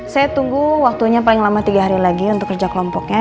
saya tunggu waktunya paling lama tiga hari lagi untuk kerja kelompoknya